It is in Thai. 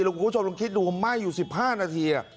คุณผู้ชมลองคิดดูไหม้อยู่๑๕นาที